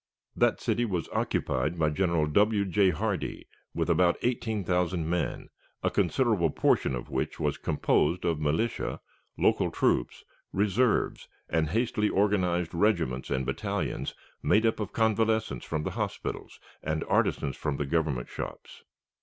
That city was occupied by General W. J. Hardee with about eighteen thousand men, a considerable portion of which was composed of militia, local troops, reserves, and hastily organized regiments and battalions made up of convalescents from the hospitals and artisans from the Government shops.